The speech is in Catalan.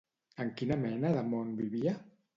En quina mena de món vivia?